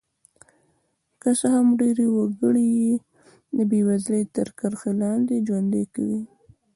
که څه هم ډېری وګړي یې د بېوزلۍ تر کرښې لاندې ژوند کوي.